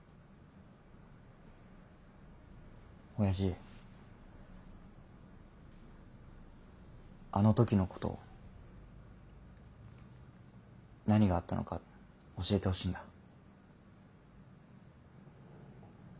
親父あの時のこと何があったのか教えてほしいんだ。